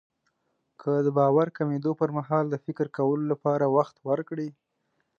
که د باور کمېدو پرمهال د فکر کولو لپاره وخت ورکړئ.